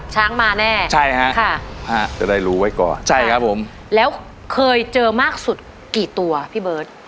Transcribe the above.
ช้างมาแน่ใช่ฮะค่ะจะได้รู้ไว้ก่อนใช่ครับผมแล้วเคยเจอมากสุดกี่ตัวพี่เบิร์ต